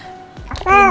bismillah ya bismillah